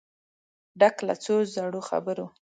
ډک له څو زړو خبرو